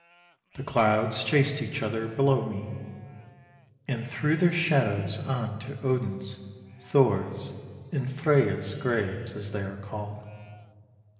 The clouds chased each other below me, and threw their shadows on to Odin's, Thor's, and Freya's graves, as they are called.